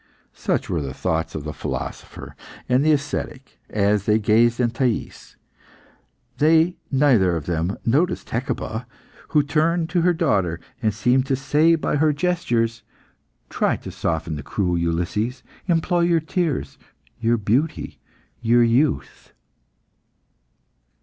Such were the thoughts of the philosopher and the ascetic as they gazed on Thais. They neither of them noticed Hecuba, who turned to her daughter, and seemed to say by her gestures "Try to soften the cruel Ulysses. Employ your tears, your beauty, and your youth."